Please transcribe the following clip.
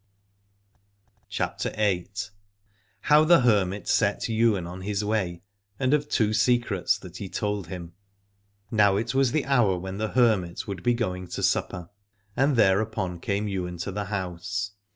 42 CHAPTER VIII. HOW THE HERMIT SET YWAIN ON HIS WAY AND OF TWO SECRETS THAT HE TOLD HIM. Now it was the hour when the hermit would be going to supper, and thereupon came Ywain to the house.